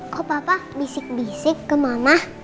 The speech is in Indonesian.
kok papa bisik bisik ke mama